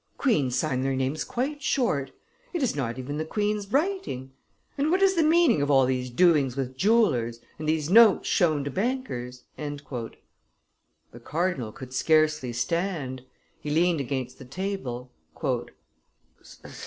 Queens sign their names quite short. It is not even the queen's writing. And what is the meaning of all these doings with jewellers, and these notes shown to bankers?" [Illustration: Cardinal Rohan's Discomfiture 470] The cardinal could scarcely stand; he leaned against the table.